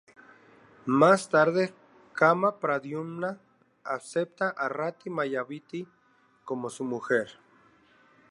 Más tarde, Kama-Pradiumna acepta a Rati-Mayavati como su mujer.